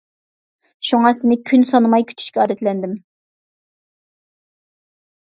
شۇڭا سېنى كۈن سانىماي كۈتۈشكە ئادەتلەندىم.